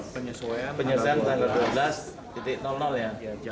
penyesuaian tanggal dua belas ya